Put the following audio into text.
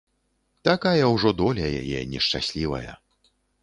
Такая ўжо доля яе нешчаслівая.